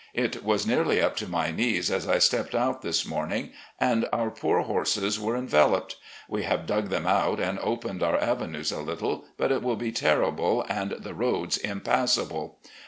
It was nearly up to my knees as I stepped out this morning, and our poor horses were enveloped. We have dug them out and opened our avenues a little, but it will be terrible and the roads impassable.